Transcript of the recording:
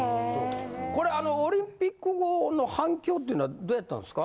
これオリンピック後の反響ってのいうのはどうやったんですか？